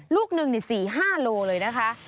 ลูกนึงสี่ห้าโลเลยนะคะ